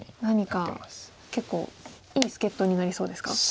何か結構いい助っ人になりそうですか？